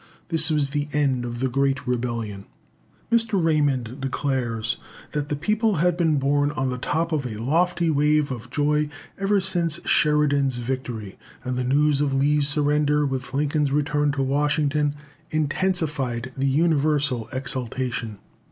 This was the end of the Great Rebellion. Mr. Raymond declares that "the people had been borne on the top of a lofty wave of joy ever since Sheridan's victory; and the news of Lee's surrender, with Lincoln's return to Washington, intensified the universal exultation."